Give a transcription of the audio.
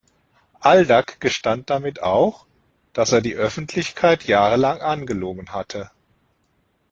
Aldag gestand damit auch, dass er die Öffentlichkeit jahrelang angelogen hatte.